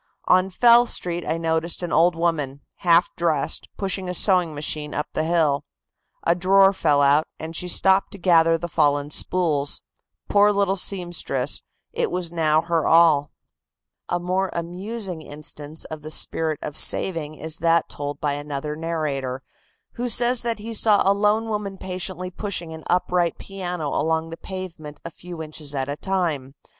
On Fell Street I noticed an old woman, half dressed, pushing a sewing machine up the hill. A drawer fell out, and she stopped to gather the fallen spools. Poor little seamstress, it was now her all." A more amusing instance of the spirit of saving is that told by another narrator, who says that he saw a lone woman patiently pushing an upright piano along the pavement a few inches at a time.